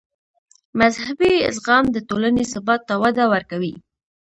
مذهبي زغم د ټولنې ثبات ته وده ورکوي.